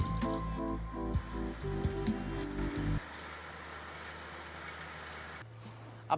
bapak di belakang sumur